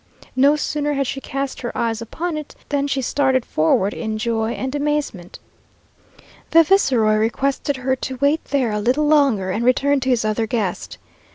No sooner had she cast her eyes upon it than she started forward in joy and amazement. The viceroy requested her to wait there a little longer, and returned to his other guest.